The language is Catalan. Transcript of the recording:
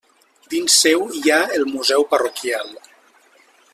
Dins seu hi ha el museu parroquial.